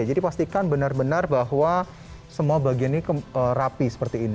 jadi pastikan benar benar bahwa semua bagian ini rapi seperti ini